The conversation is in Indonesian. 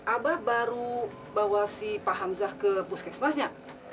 abah baru bawa si pak hamzah ke puskesmasnya